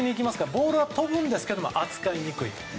ボールは飛びますが扱いにくい。